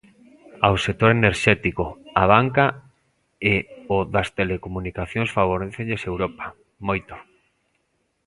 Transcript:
Ao sector enerxético, a banca e o das telecomunicacións favorécelles Europa, moito.